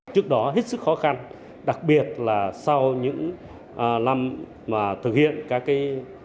trước đó hết sức khó khăn đặc biệt là sau những năm mà thực hiện các cái